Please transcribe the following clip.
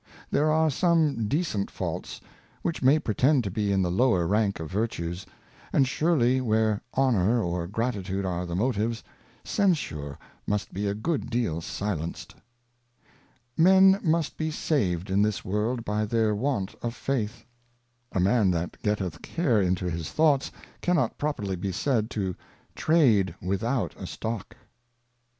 There are some decent Faults which may pretend to be in the lower Rank of Virtues ; and surely where Honour or Gratitude are the Motives, Censure must be a good deal silenced. MEN must be saved in this World by their Want of Of Cau tion and Faith. Suspiinon. A Man that getteth Care into his Thoughts, cannot properly be said to trade without a Stock.